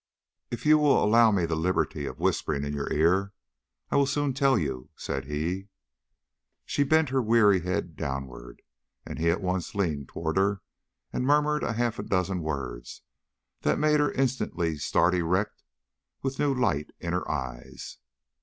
"If you will allow me the liberty of whispering in your ear, I will soon tell you," said he. She bent her weary head downward; he at once leaned toward her and murmured a half dozen words that made her instantly start erect with new light in her eyes.